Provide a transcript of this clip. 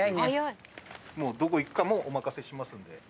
どこ行くかもお任せしますので。